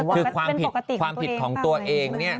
คือความผิดของตัวเองเนี่ย